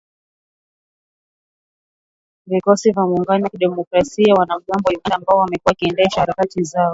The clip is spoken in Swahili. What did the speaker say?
Vikosi vya Muungano wa Kidemokrasia, wanamgambo wa Uganda ambao wamekuwa wakiendesha harakati zao mashariki mwa Kongo tangu miaka ya elfu moja mia tisa tisini.